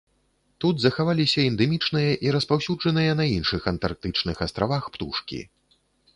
Тут захаваліся эндэмічныя і распаўсюджаныя на іншых антарктычных астравах птушкі.